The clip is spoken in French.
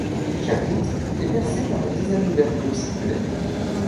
Chaque voûte est percée par une dizaine d'ouvertures circulaires.